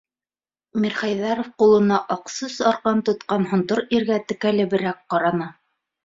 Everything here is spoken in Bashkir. - Мирхәйҙәров ҡулына аҡ сүс арҡан тотҡан һонтор иргә текәлеберәк ҡараны.